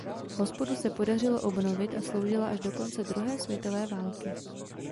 Hospodu se podařilo obnovit a sloužila až do konce druhé světové války.